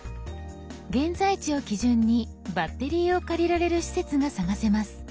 現在地を基準にバッテリーを借りられる施設が探せます。